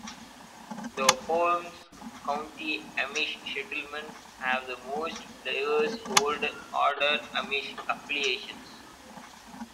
The Holmes County Amish Settlements have the most diverse Old Order Amish affiliations.